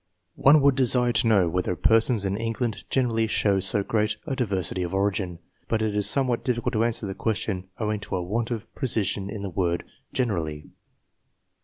One would desire to know whether persons in England generally show so great a diver sity of origin; but it is somewhat difficult to answer the question owing to a want of precision in the word " generally."